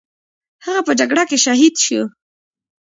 هغه په جګړه کې شهید شو.